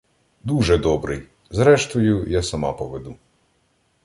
— Дуже добрий! Зрештою, я сама поведу.